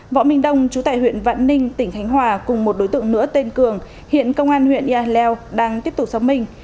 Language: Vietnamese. võ minh đông trú tại huyện vạn ninh tỉnh thánh hòa cùng một đối tượng nữa tên cường hiện công an huyện ia hèn leo đang tiếp tục sống mình